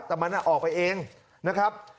แต่มันออกไปเองนะครับ